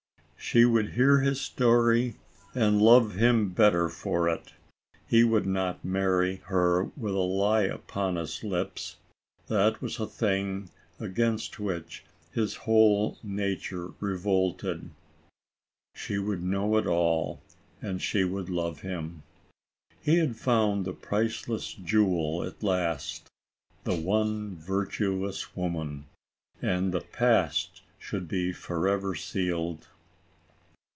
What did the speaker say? She would hear his story and love him better for .it. He would not marry her with a lie upon his lips; that was a thing against which his whole nature revolted. 32 ALICE ; OR, THE WAGES OF SIN. She would know all, and she would love him. He had found the priceless jewel at last, "the one virtuous woman," and the past should be forever sealed.